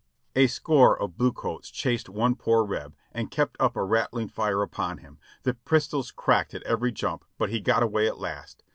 A score of blue coats chased one poor Reb, and kept up a rattling fire upon him ; the pistols cracked at every jump but he got away at last.